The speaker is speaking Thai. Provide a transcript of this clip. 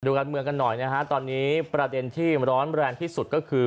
การเมืองกันหน่อยนะฮะตอนนี้ประเด็นที่ร้อนแรงที่สุดก็คือ